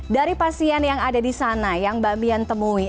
dari pasien yang ada di sana yang mbak mian temui